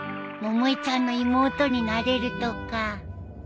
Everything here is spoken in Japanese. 百恵ちゃんの妹になれるとか